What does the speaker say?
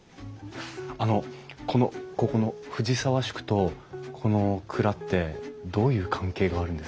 あのこのここの藤沢宿とこの蔵ってどういう関係があるんですか？